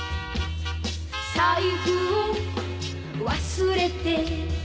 「財布を忘れて」